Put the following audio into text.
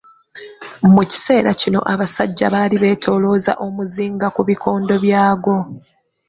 Mu kiseera kino abasajja baali beetoolooza omuzinga ku bikondo byagwo.